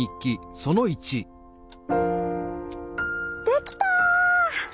できた！